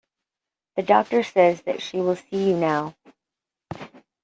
The doctor says that she will see you now.